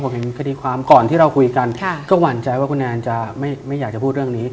ผมเห็นคดีความก่อนที่เราคุยกันก็หวั่นใจว่าคุณแอนจะไม่อยากจะพูดเรื่องนี้